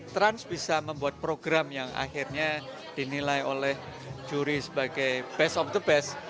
trans bisa membuat program yang akhirnya dinilai oleh juri sebagai best of the best